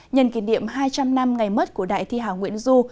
nhân kỷ niệm hai trăm linh năm ngày mất của đại thi hào nguyễn du